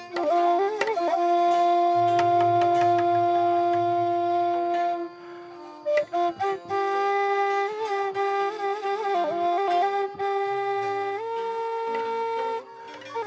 soalnya untuk masakan hal lebat di kota tapi bukan untuk para wanita juga